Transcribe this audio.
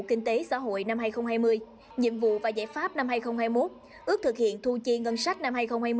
kinh tế xã hội năm hai nghìn hai mươi nhiệm vụ và giải pháp năm hai nghìn hai mươi một ước thực hiện thu chi ngân sách năm hai nghìn hai mươi